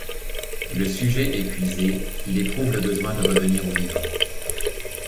Le sujet épuisé, il éprouve le besoin de revenir au vivant.